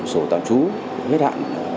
sở tạm trú hết hạn